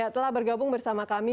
telah bergabung bersama kami